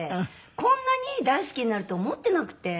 こんなに大好きになると思ってなくて。